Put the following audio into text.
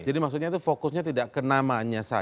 jadi maksudnya itu fokusnya tidak ke namanya saja